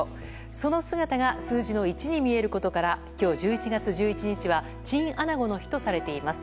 その姿が数字の１に見えることから今日、１１月１１日はチンアナゴの日とされています。